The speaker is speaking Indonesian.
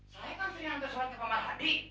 saya kan sering mengantar soal ke pak malhadi